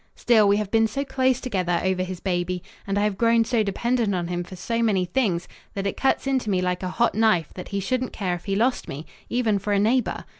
Still, we have been so close together over his baby, and I have grown so dependent on him for so many things, that it cuts into me like a hot knife that he shouldn't care if he lost me even for a neighbour.